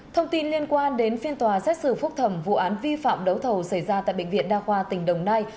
thông tin liên quan đến phiên tòa xét xử phúc thẩm vụ án vi phạm đấu thầu xảy ra tại bệnh viện đa khoa tỉnh đồng nai